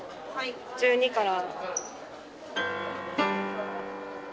１２から。